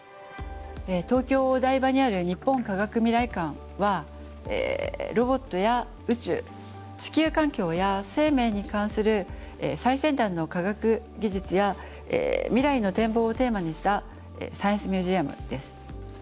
東京・お台場にある日本科学未来館はロボットや宇宙地球環境や生命に関する最先端の科学技術や未来の展望をテーマにしたサイエンスミュージアムです。